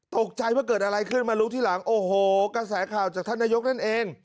ตกใจว่าเกิดอะไรขึ้นมารู้ทีหลังโอ้โหกระแสข่าวจากท่านนายกนั่นเอง